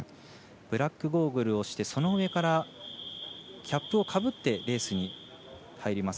ブラックゴーグルをしてその上からキャップをかぶってレースに入ります。